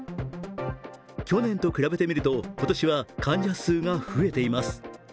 去年と比べてみると、今年は患者数が増えています。